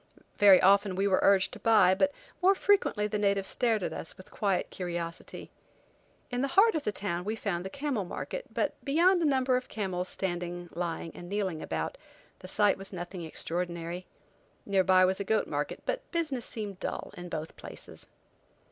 Very often we were urged to buy, but more frequently the natives stared at us with quiet curiosity. In the heart of the town we found the camel market, but beyond a number of camels standing, lying, and kneeling about, the sight was nothing extraordinary. Near by was a goat market, but business seemed dull in both places.